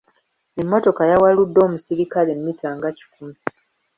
Emmotoka yawaludde omusirikale mmita nga kkumi.